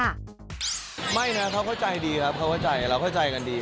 ไม่นะเขาก็ใจดีเราเข้าใจกันดี